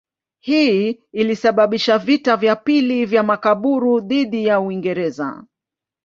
Hii ilisababisha vita vya pili vya Makaburu dhidi ya Uingereza.